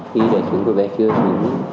khi đẩy xuống cô bé chưa xuống